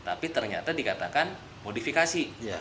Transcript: tapi ternyata dikatakan modifikasi